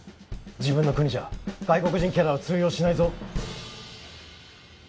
自分の国じゃ外国人キャラは通用しないぞ。